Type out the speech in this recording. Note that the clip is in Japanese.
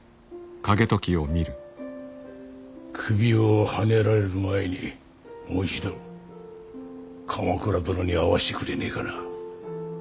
首をはねられる前にもう一度鎌倉殿に会わせてくれねえかな。